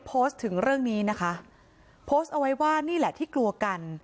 โพสต์ถึงเรื่องนี้นะคะโพสต์เอาไว้ว่านี่แหละที่กลัวกัน